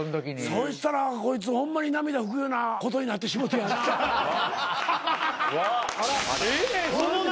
そしたらこいつホンマに涙拭くようなことになってしもうてやな。